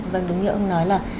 vâng đúng như ông nói là